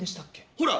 ほら！